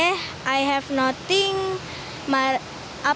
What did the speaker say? saya tidak punya apa apa